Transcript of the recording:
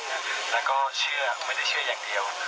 แล้วก็เชื่อไม่ได้เชื่ออย่างเดียว